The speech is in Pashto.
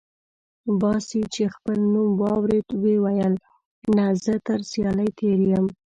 باسي چې خپل نوم واورېد وې ویل: نه، زه تر سیالۍ تېر یم.